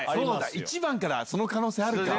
１番からその可能性あるか。